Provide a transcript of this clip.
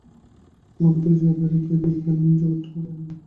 আমরা ভিতরে যা, বাইরে তাই দেখি, কেন না জগৎটা আমাদের আয়নার মত।